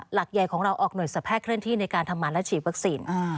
หลักใหญ่ของเราออกหน่วยสแทกเคลื่อนที่ในการทำงานและฉีดวัคซีน